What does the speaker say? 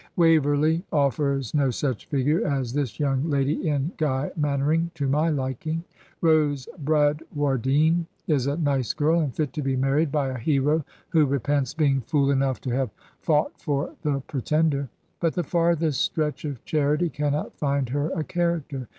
" Waverley '' offers no such figure as this young lady in "Guy Mannering/' to my liking. Rose Bradwar dine is a nice girl, £ind fit to be married by a hero who repents being fool enough to have fought for the Pre tender. But the farthest stretch of charity cannot find her a character.